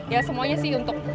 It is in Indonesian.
ya semuanya sih untuk